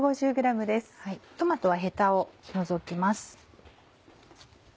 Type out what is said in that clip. トマトはヘタを除きます。